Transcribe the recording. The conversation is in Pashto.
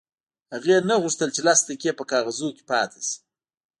هغې نه غوښتل چې لس دقیقې په کاغذونو کې پاتې شي